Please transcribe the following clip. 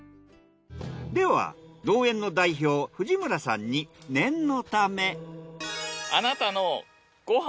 では農園の代表藤村さんに念のため。